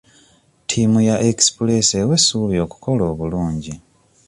Ttiimu ya Express ewa essuubi okukola obulungi.